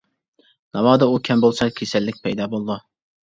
ناۋادا ئۇ كەم بولسا كېسەللىك پەيدا بولىدۇ.